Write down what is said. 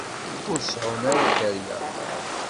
Ur seɛɛun ara dderya.